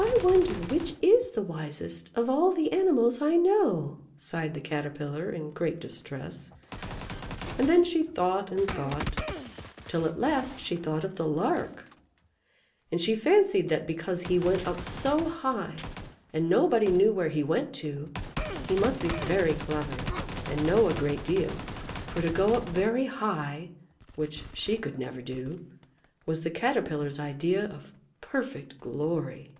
"I wonder which is the wisest of all the animals I know," sighed the Caterpillar, in great distress; and then she thought, and thought, till at last she thought of the Lark; and she fancied that because he went up so high, and nobody knew where he went to, he must be very clever, and know a great deal, for to go up very high (which she could never do), was the Caterpillar's idea of perfect glory.